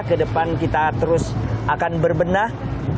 ke depan kita terus akan berbenah